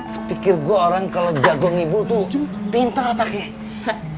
sepikir gue orang kalau jago ngibur tuh pinter otaknya